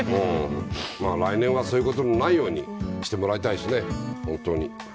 来年はそういうことがないようにしてもらいたいですね。